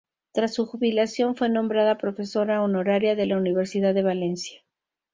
Tras su jubilación fue nombrada profesora honoraria de la Universidad de Valencia.